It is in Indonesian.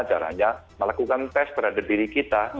caranya melakukan tes terhadap diri kita